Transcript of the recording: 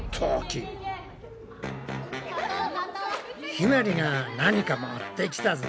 ひまりが何か持ってきたぞ！